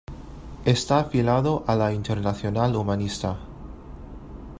Esta afiliado a la Internacional Humanista.